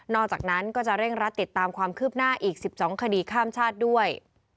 อกจากนั้นก็จะเร่งรัดติดตามความคืบหน้าอีก๑๒คดีข้ามชาติด้วย